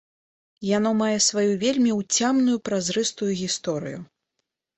Яно мае сваю вельмі ўцямную празрыстую гісторыю.